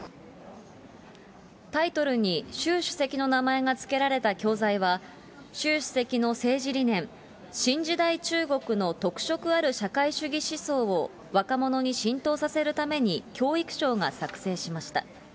タイトルに、習主席の名前が付けられた教材は、習主席の政治理念、新時代中国の特色ある社会主義思想を若者に浸透させるために、教育省が作成しました。